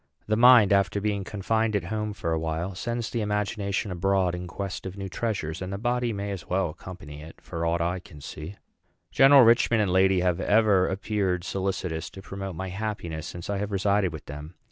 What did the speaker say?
The mind, after being confined at home for a while, sends the imagination abroad in quest of new treasures; and the body may as well accompany it, for aught I can see." General Richman and lady have ever appeared solicitous to promote my happiness since I have resided with them.